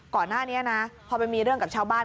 ก่อนหน้านี้นะพอไปมีเรื่องกับชาวบ้าน